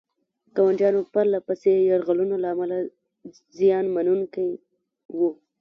ګاونډیانو پرله پسې یرغلونو له امله زیان منونکي وو.